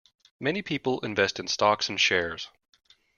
Many people invest in stocks and shares